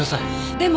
でも！